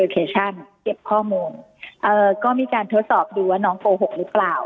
เคชั่นเก็บข้อมูลเอ่อก็มีการทดสอบดูว่าน้องโกหกหรือเปล่า